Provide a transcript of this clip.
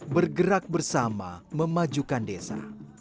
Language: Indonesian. bergerak bersama memajukan desa